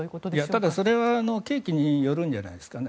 ただ、それは刑期によるんじゃないでしょうか。